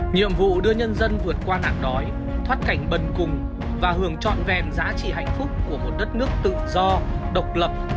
nhiệm vụ đưa nhân dân vượt qua nạn đói thoát cảnh bần cùng và hưởng trọn vẹn giá trị hạnh phúc của một đất nước tự do độc lập